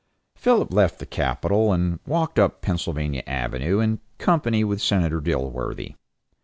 Philip left the capitol and walked up Pennsylvania Avenue in company with Senator Dilworthy.